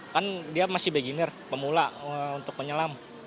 kan dia masih beginner pemula untuk penyelam